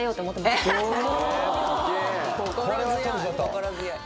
心強い。